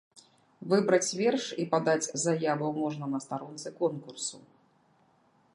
Выбраць верш і падаць заяву можна на старонцы конкурсу.